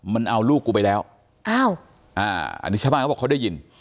มันเอาลูกกูไปแล้วอ้าวอ่าอันนี้ชาวบ้านเขาบอกเขาได้ยิน